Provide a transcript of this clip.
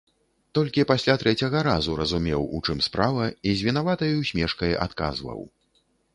Толькі пасля трэцяга разу разумеў, у чым справа, і з вінаватай усмешкай адказваў.